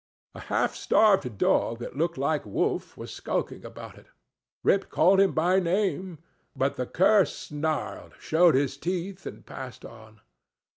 A half starved dog that looked like Wolf was skulking about it. Rip called him by name, but the cur snarled, showed his teeth, and passed on.